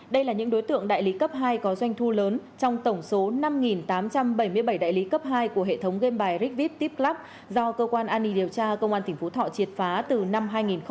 đây là những đối tượng đại lý cấp hai có doanh thu lớn trong tổng số năm tám trăm bảy mươi bảy đại lý cấp hai của hệ thống game bài rickvie tipllub do cơ quan an ninh điều tra công an tỉnh phú thọ triệt phá từ năm hai nghìn một mươi ba